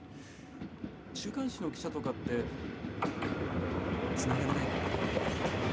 週刊誌の記者とかってつながれないかな？